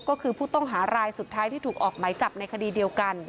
ก็คือผู้ต้องหารายสุดท้ายที่ถูกออกไหมจับในคดีเดียวกัน